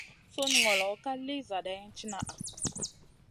Sunu ŋolo ka lì zadaina tìnaha.